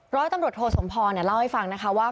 ร้อยตำรวจโทสมพอล์เล่าให้ฟังว่า